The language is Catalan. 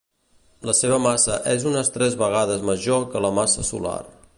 La seva massa és unes tres vegades major que la massa solar.